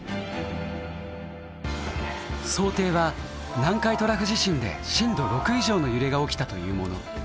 想定は南海トラフ地震で震度６以上の揺れが起きたというもの。